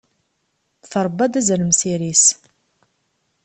Trebba-d azrem s iri-s.